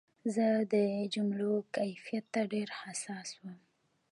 زه د جملو کیفیت ته ډېر حساس وم.